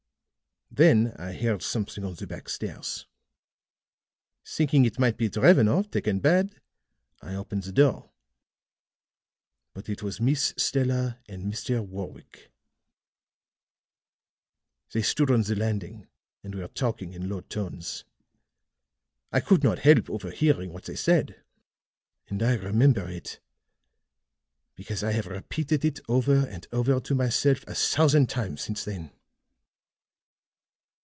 Then I heard something on the back stairs. Thinking it might be Drevenoff, taken bad, I opened the door. But it was Miss Stella and Mr. Warwick. They stood on the landing, and were talking in low tones. I could not help overhearing what they said; and I remember it because I have repeated it over and over to myself a thousand times since then.